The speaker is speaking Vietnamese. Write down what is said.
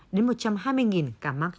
một trăm linh đến một trăm hai mươi ca mắc